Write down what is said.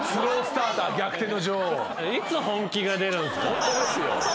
ホントですよ。